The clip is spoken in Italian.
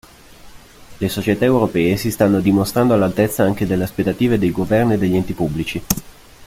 Le società europee si stanno dimostrando all'altezza anche delle aspettative dei governi e degli enti pubblici.